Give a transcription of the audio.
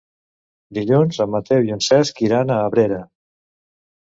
Dilluns en Mateu i en Cesc iran a Abrera.